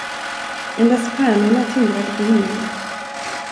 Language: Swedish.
Endast stjärnorna tindrade på himmelen.